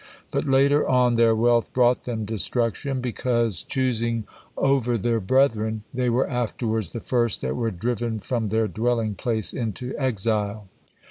But later on their wealth brought them destruction, because, choosing on their brethren, they were afterwards the first that were driven from their dwelling place into exile.